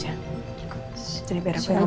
jadi biar aku yang